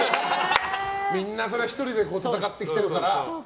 みんな１人で戦ってきてるから。